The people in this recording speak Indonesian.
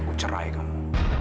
aku cerai kamu